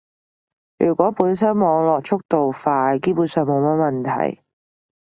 如果本身網絡速度快，基本上冇乜問題